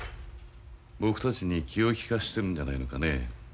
僕たちに気を利かせてるんじゃないのかね。